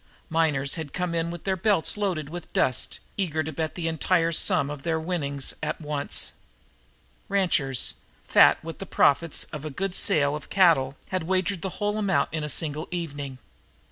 Miners had come in with their belts loaded with dust, eager to bet the entire sum of their winnings at once. Ranchers, fat with the profits of a good sale of cattle, had wagered the whole amount of it in a single evening.